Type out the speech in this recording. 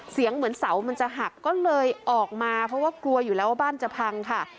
เสียงเหมือนเสามันจะหักก็เลยออกมาเพราะว่ากลัวอยู่แล้วว่าบ้านจะพังค่ะ